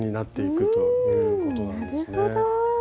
なるほど。